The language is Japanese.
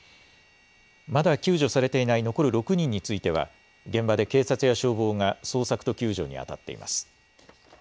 まだ救助されていない残る６人については、現場で警察や消防が捜索と救助に当たっています。